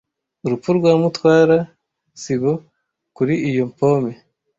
Urupfu rwa Mutwara sibo kuri iyo pome.